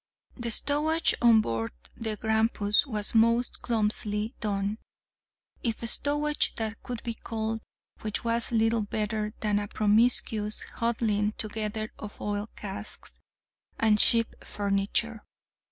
The stowage on board the Grampus was most clumsily done, if stowage that could be called which was little better than a promiscuous huddling together of oil casks {*1} and ship furniture.